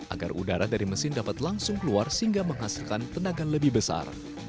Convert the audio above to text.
agar udara dari mesin dapat langsung keluar sehingga menghasilkan tenaga lebih besar